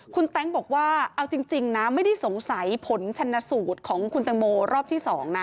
คุณแต๊งบอกว่าเอาจริงนะไม่ได้สงสัยผลชนสูตรของคุณตังโมรอบที่๒นะ